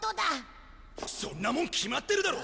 そんなもん決まってるだろ。